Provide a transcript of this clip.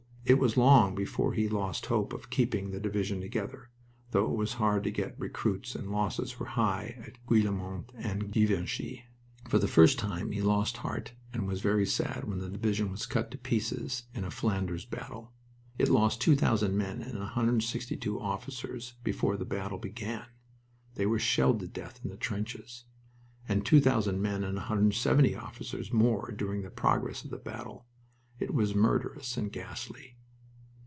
It was long before he lost hope of keeping the division together, though it was hard to get recruits and losses were high at Guillemont and Ginchy. For the first time he lost heart and was very sad when the division was cut to pieces in a Flanders battle. It lost 2,000 men and 162 officers before the battle began they were shelled to death in the trenches and 2,000 men and 170 officers more during the progress of the battle. It was murderous and ghastly.